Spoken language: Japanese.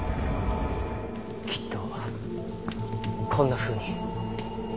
きっとこんなふうに。